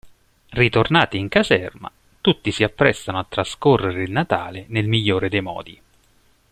Ritornati in caserma, tutti si apprestano a trascorrere il Natale nel migliore dei modi.